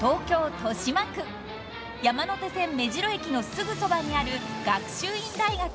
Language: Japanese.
豊島区山手線目白駅のすぐそばにある学習院大学］